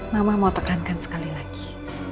mama mau tekankan sekali lagi